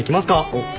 おっ。